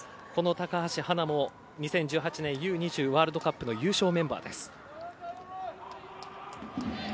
高橋はなも２０１８年Ｕ‐２０ワールドカップの優勝メンバーです。